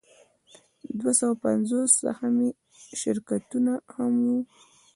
دوه سوه پنځوس سهامي شرکتونه هم وو